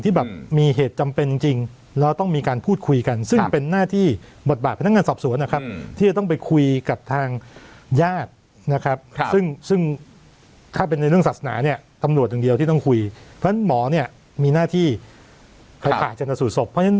ที่แบบมีเหตุจำเป็นจริงจริงแล้วต้องมีการพูดคุยกัน